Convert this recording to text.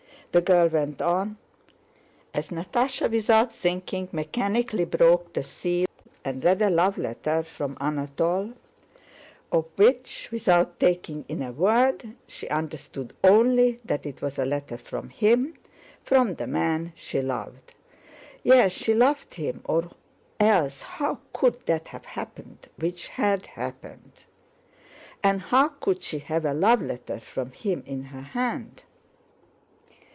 the girl went on, as Natásha, without thinking, mechanically broke the seal and read a love letter from Anatole, of which, without taking in a word, she understood only that it was a letter from him—from the man she loved. Yes, she loved him, or else how could that have happened which had happened? And how could she have a love letter from him in her hand?